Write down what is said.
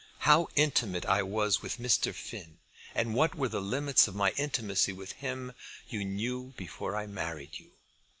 How intimate I was with. Mr. Finn, and what were the limits of my intimacy with him you knew before I married you.